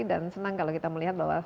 dan senang kalau kita melihat bahwa